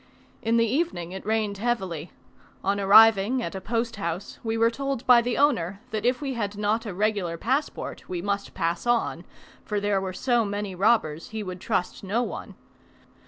In the evening it rained heavily: on arriving at a posthouse we were told by the owner, that if we had not a regular passport we must pass on, for there were so many robbers he would trust no one.